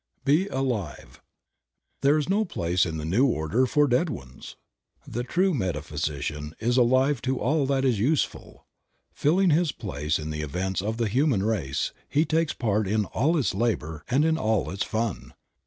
BE ALIVE. 'pHERE is no place in the New Order for "dead ones." The true metaphysician is alive to all that is useful. Filling his place in the events of the human race, he takes part in all its labor and in all its fun.